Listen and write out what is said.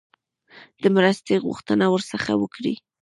د مرستې غوښتنه ورڅخه وکړي.